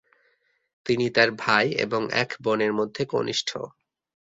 তিনি তার ভাই এবং এক বোনের মধ্যে কনিষ্ঠ।